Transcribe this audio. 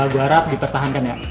gue harap dipertahankan ya